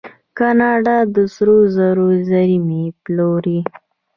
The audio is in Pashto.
کاناډا د سرو زرو زیرمې پلورلي.